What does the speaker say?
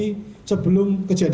yang terjadi sebelum kejadian ini